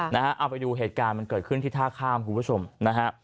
นะฮะเอาไปดูเหตุการณ์มันเกิดขึ้นที่ท่าข้ามคุณผู้ชมนะฮะ